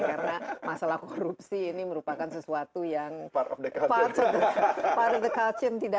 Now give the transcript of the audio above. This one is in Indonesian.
karena masalah korupsi ini merupakan sesuatu yang part of the culture